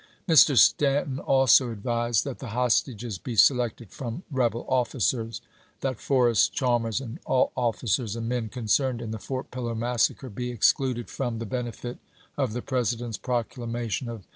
Mr. Stanton also advised that the hostages be selected from rebel officers ; that Forrest, Chalmers, and all officers and men concerned in the Fort Pillow massacre be excluded from the benefit of the President's proclamation of Vol.